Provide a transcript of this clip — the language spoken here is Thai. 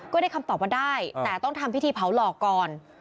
ได้คำตอบมาได้แต่ต้องทำพิธีเผาหลอกก่อน